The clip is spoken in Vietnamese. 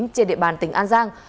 trên địa bàn tỉnh an giang